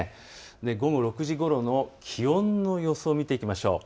午後６時ごろの気温の予想を見ていきましょう。